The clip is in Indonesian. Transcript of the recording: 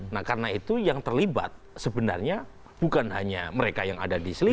nah karena itu yang terlibat sebenarnya bukan hanya mereka yang ada di sini